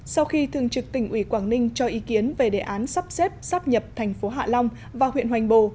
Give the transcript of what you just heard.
sau khi thường trực tỉnh ủy quảng ninh cho ý kiến về đề án sắp xếp sắp nhập thành phố hạ long và huyện hoành bồ